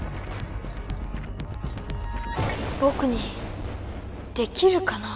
ぼくにできるかな。